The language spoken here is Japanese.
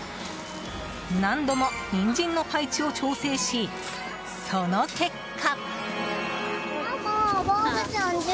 何度もニンジンの配置を調整しその結果。